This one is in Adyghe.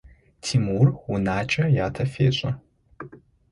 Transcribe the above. Тимур унакӏэ ятэ фешӏы.